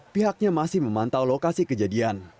pihaknya masih memantau lokasi kejadian